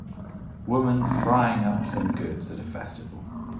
Woman frying up some goods at a festival.